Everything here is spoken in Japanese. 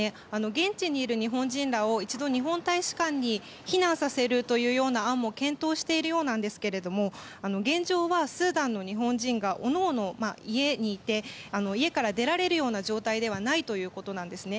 現地にいる日本人らを一度、日本大使館に避難させるという案も検討しているようなんですが現状は、スーダンの日本人がおのおの、家にいて家から出られるような状態ではないということなんです。